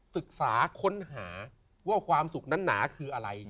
ศึกษาค้นหาว่าความสุขนั้นหนาคืออะไร